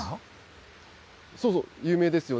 そうそう、有名ですよね。